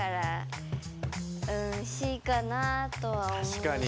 確かに。